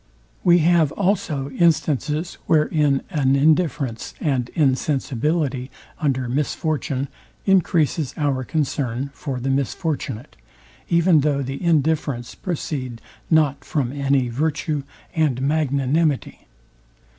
We have also instances, wherein an indifference and insensibility under misfortune encreases our concern for the misfortunate, even though the indifference proceed not from any virtue and magnanimity.